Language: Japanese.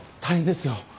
大変ですよ！